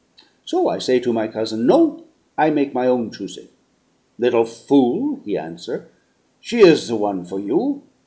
So I say to my cousin, 'No, I make my own choosing!' 'Little fool,' he answer, 'she is the one for you.